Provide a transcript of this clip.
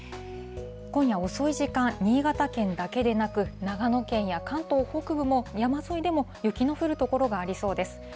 今夜遅い時間、新潟県だけでなく、長野県や関東北部も、山沿いでも、雪の降る所がありそうです。